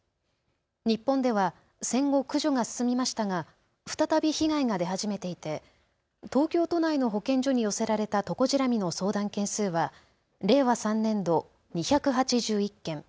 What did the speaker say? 日本では戦後、駆除が進みましたが再び被害が出始めていて東京都内の保健所に寄せられたトコジラミの相談件数は令和３年度、２８１件。